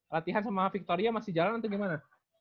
latihan sama victoria masih jalan atau gimana